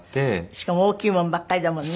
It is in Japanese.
しかも大きいものばっかりだもんね。